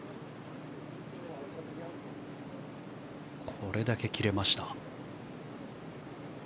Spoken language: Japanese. これだけ切れました。